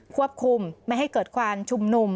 ควบคุมไม่ให้เกิดความชุมนุม